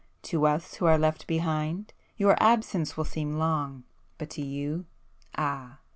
To us who are left behind, your absence will seem long,—but to you,—ah!